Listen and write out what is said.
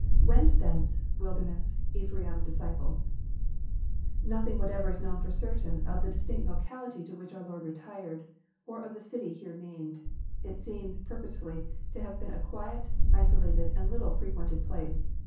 [ Went thenc€,„vnlderness,..Ephra{m..,disciples.'] Nothing what ever is known for certain of the distinct locality to which ouf Lord retired, or of the city here named. It seems, purposely, to have been a quiet, isolated, and little frequented place.